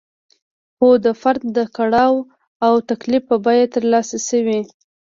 خو د فرد د کړاو او تکلیف په بیه ترلاسه شوې.